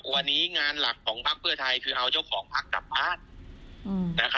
วันนี้งานหลักของพักเพื่อไทยคือเอาเจ้าของพักกลับบ้าน